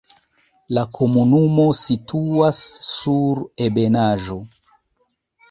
La komunumo situas sur ebenaĵo.